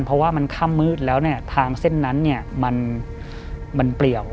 เพราะว่ามันค่ำมืดแล้วเนี่ยทางเส้นนั้นมันเปลี่ยว